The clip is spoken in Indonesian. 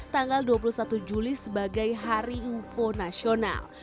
tanggal dua puluh satu juli sebagai hari info nasional